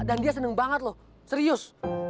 dan dia seneng banget loh serius